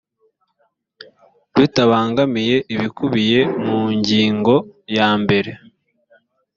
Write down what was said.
bitabangamiye ibikubiye mu ngingo ya mbere